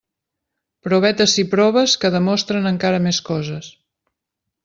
Però vet ací proves que demostren encara més coses.